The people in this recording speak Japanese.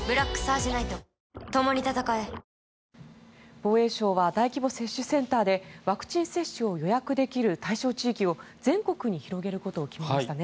防衛省は大規模接種センターでワクチン接種を予約できる対象地域を全国に広げることを決めましたね。